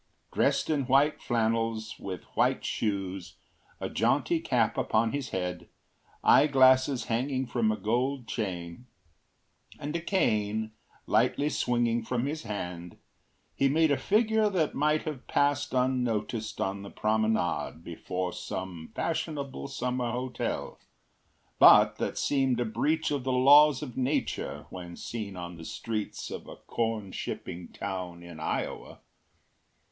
Dressed in white flannels, with white shoes, a jaunty cap upon his head, eyeglasses hanging from a gold chain, and a cane lightly swinging from his hand, he made a figure that might have passed unnoticed on the promenade before some fashionable summer hotel, but that seemed a breach of the laws of nature when seen on the streets of a corn shipping town in Iowa.